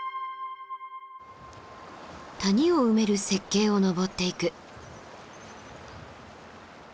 谷を埋める雪渓を登っていく。